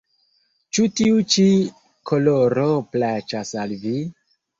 Ĉu tiu ĉi koloro plaĉas al vi?